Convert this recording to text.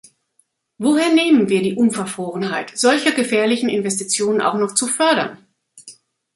Woher nehmen wir die Unverfrorenheit, solche gefährlichen Investitionen auch noch zu fördern?